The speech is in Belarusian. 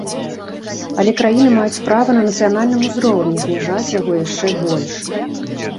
Але краіны маюць права на нацыянальным узроўні зніжаць яго яшчэ больш.